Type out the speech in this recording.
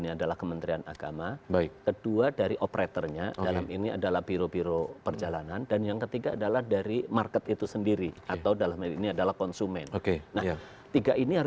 itu satu satunya yang harus dilakukan